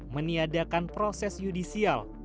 meniadakan proses judisial